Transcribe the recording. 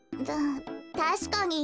たたしかに。